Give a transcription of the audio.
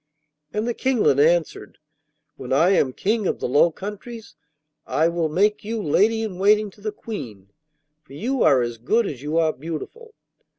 And the Kinglet answered: 'When I am King of the Low Countries, I will make you lady in waiting to the Queen, for you are as good as you are beautiful.